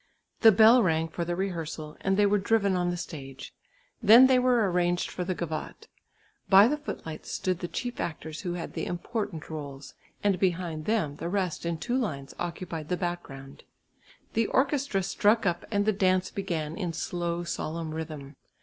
The bell rang for the rehearsal, and they were driven on the stage. Then they were arranged for the gavotte. By the footlights stood the chief actors who had the important rôles; and behind them the rest in two lines occupied the background. The orchestra struck up and the dance began in slow solemn rhythm.